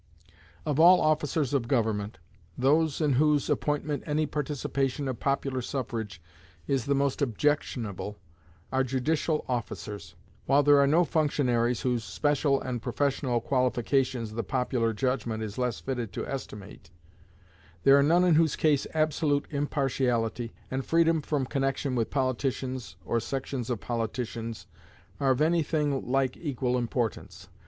Of all officers of government, those in whose appointment any participation of popular suffrage is the most objectionable are judicial officers. While there are no functionaries whose special and professional qualifications the popular judgment is less fitted to estimate, there are none in whose case absolute impartiality, and freedom from connection with politicians or sections of politicians, are of any thing like equal importance.